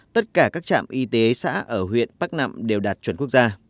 tất cả các trạm y tế xã ở huyện bắc nạm đều đạt chuẩn quốc gia